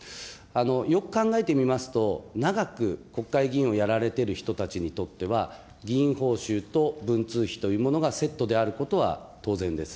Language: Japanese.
よく考えてみますと、長く国会議員をやられてる人たちにとっては、議員報酬と文通費というものがセットであることは当然です。